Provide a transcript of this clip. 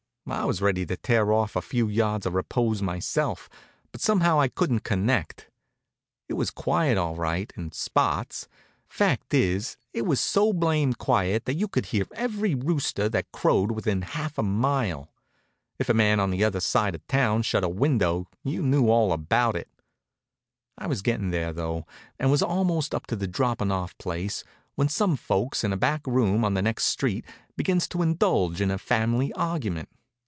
I was ready to tear off a few yards of repose myself, but somehow I couldn't connect. It was quiet, all right in spots. Fact is, it was so blamed quiet that you could hear every rooster that crowed within half a mile. If a man on the other side of town shut a window you knew all about it. I was gettin' there though, and was almost up to the droppin' off place, when some folks in a back room on the next street begins to indulge in a family argument.